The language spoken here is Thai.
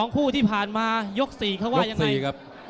คู่ที่ผ่านมายก๔เขาว่ายังไง